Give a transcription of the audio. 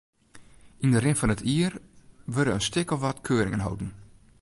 Yn de rin fan it jier wurde in stik of wat keuringen holden.